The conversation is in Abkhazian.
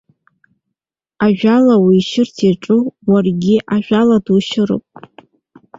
Ажәала уишьырц иаҿу, уаргьы ажәала душьыроуп.